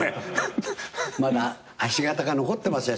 まだ足形が残ってますよ